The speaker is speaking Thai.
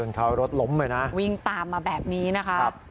เขารถล้มเลยนะวิ่งตามมาแบบนี้นะคะ